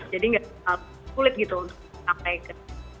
jadi gak terlalu kulit gitu untuk sampai ke